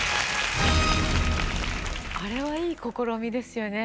あれはいい試みですよね。